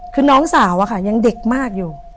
คือน้องสาวอะค่ะยังเด็กมากอยู่